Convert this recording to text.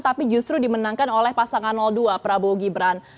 tapi justru dimenangkan oleh pasangan dua prabowo gibran